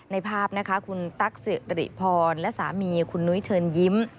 ในภาพนะคะคุณตั๊กสิริพรและสามีคุณนุ้ยเชิญยิ้ม